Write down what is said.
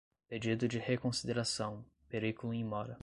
pedido de reconsideração, periculum in mora